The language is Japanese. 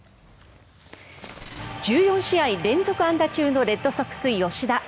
１４試合連続安打中のレッドソックス、吉田。